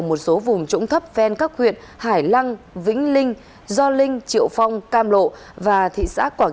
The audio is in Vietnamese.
một số vùng trũng thấp ven các huyện hải lăng vĩnh linh do linh triệu phong cam lộ và thị xã quảng